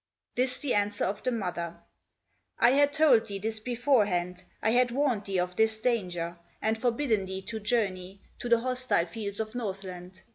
This the answer of the mother: "I had told thee this beforehand, I had warned thee of this danger, And forbidden thee to journey To the hostile fields of Northland.